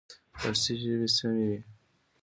فارسي ژبې سیمې وې.